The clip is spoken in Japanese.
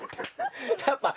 やっぱ何？